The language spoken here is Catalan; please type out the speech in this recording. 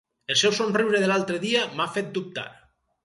El seu somriure de l'altre dia m'ha fet dubtar...